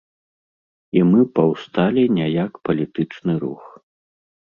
І мы паўсталі не як палітычны рух.